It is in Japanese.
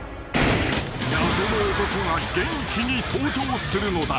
［謎の男が元気に登場するのだ］